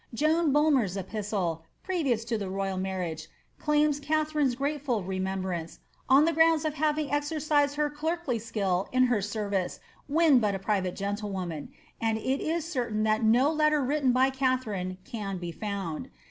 Joan Buhner's epistle, previous to the royal marriage, claims Katharine's grateful remembrance, on the grounds of having exercised her clerkly skill in her service when but a private gentle woman, and it is certain that no letter written by Katharine can be found.